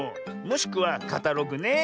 もしくは「カタログ」ね。